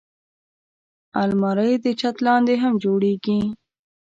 الماري د چت لاندې هم جوړېږي